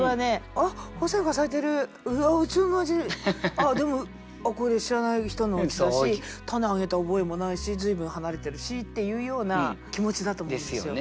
あっでもこれ知らない人のおうちだし種あげた覚えもないし随分離れてるしっていうような気持ちだと思うんですよ。